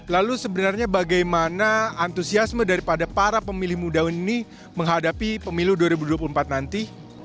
lalu sebenarnya bagaimana antusiasme daripada para pemilih muda ini menghadapi pemilu dua ribu dua puluh empat nanti